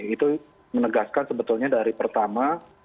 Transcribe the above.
itu menegaskan sebetulnya dari pertama